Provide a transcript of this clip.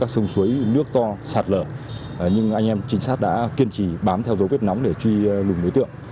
sông suối nước to sạt lở nhưng anh em trinh sát đã kiên trì bám theo dấu vết nóng để truy lùng đối tượng